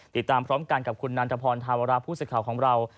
ติดตามพร้อมกันกับคุณนันทพรธาวราผู้สื่อข่าวของเรา